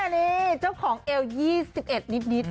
นี่เจ้าของเอว๒๑นิด